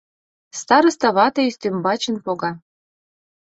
Староста вате ӱстембачын пога.